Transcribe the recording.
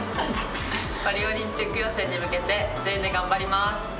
パリオリンピック予選に向けて全員で頑張ります。